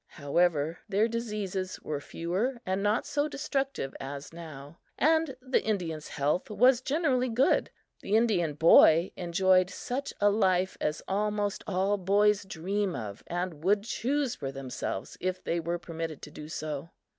However, their diseases were fewer and not so destructive as now, and the Indian's health was generally good. The Indian boy enjoyed such a life as almost all boys dream of and would choose for themselves if they were permitted to do so.